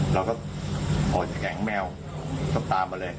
แล้วก็ออกจากแข็งแมวตามมาเลย